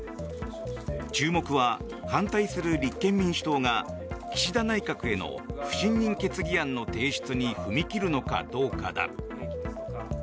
注目は反対する立憲民主党が岸田内閣への不信任決議案の提出に踏み切るのかどうかだ。